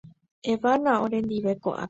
Evána orendive ko'ápe.